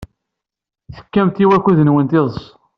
Tekkamt i wakud-nwent n yiḍes.